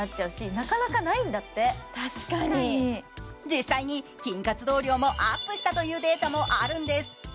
実際に筋活動量もアップしたというデータもあるそうです。